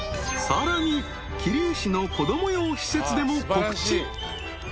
［さらに桐生市の子供用施設でも告知］